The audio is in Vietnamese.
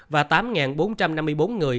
và tám bốn trăm năm mươi bốn người